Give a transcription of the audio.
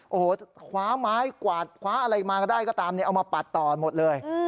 โอ้โหคว้าไม้กวาดคว้าอะไรมาก็ได้ก็ตามเอามาปัดต่อหมดเลย